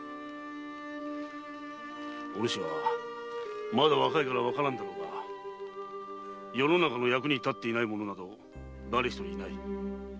おぬしはまだ若いからわからんだろうが世の中の役に立っていない者など誰一人いない。